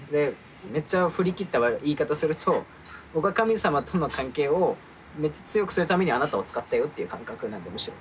めっちゃ振り切った言い方すると僕は神様との関係をめっちゃ強くするためにあなたを使ったよっていう感覚なんでむしろ。